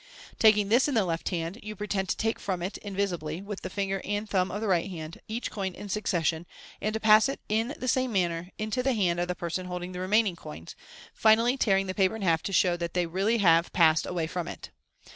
Taking this in the left hand, you pretend to take from it, invisibly, with the finger and thumb of the right hand, each coin in succession, and to pass it in the same manner into the hand of the person holding the remaining coins, finally tearing the paper in half to show that they have really passed away from it.